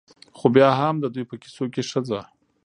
؛ خو بيا هم د دوى په کيسو کې ښځه